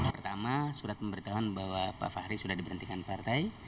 pertama surat pemberitahuan bahwa pak fahri sudah diberhentikan partai